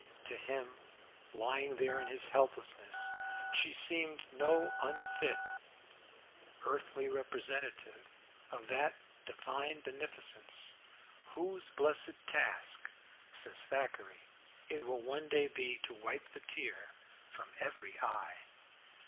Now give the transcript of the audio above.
To him lying there in his helplessness, she seemed no unfit earthly representative of that Divine Beneficence "whose blessed task," says Thackeray, "it will one day be to wipe the tear from every eye."